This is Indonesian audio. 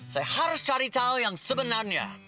saya harus cari tahu yang sebenarnya